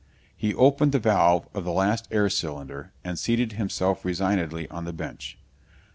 He opened the valve of the last air cylinder and seated himself resignedly on the bench.